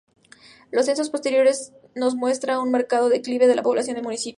Los censos posteriores nos muestran un marcado declive de la población del municipio.